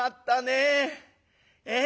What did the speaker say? ええ？